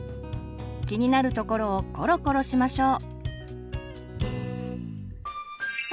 気になる所をコロコロしましょう。